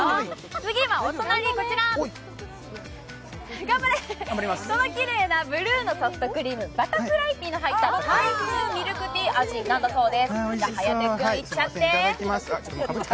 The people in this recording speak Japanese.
次はお隣、きれいなブルーのソフトクリーム、バタフライピーの入ったタイ風ミルクティー味なんだそうです。